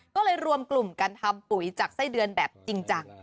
ก็เลยรวมกลุ่มกันทำปุ๋ยจากไส้เดือนแบบจริงจัง